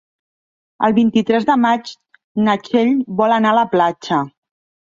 El vint-i-tres de maig na Txell vol anar a la platja.